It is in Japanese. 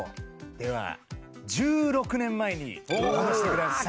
では１６年前に戻してください。